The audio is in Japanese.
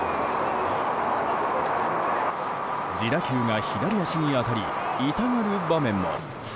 自打球が左足に当たり痛がる場面も。